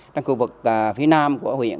trong khu vực phía nam của huyện